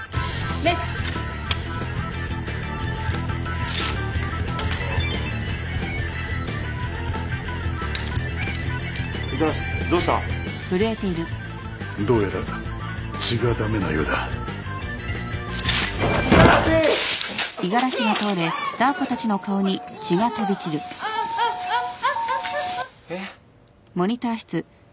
えっえっ？